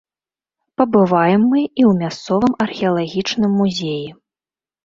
Пабываем мы і ў мясцовым археалагічным музеі.